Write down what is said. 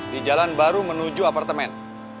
di jalan baru menuju apartemen